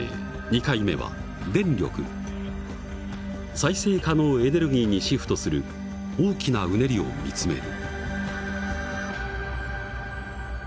再生可能エネルギーにシフトする大きなうねりを見つめる。